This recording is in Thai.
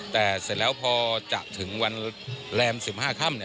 แต่เสร็จแล้วพอจะถึงวันแรม๑๕ค่ำ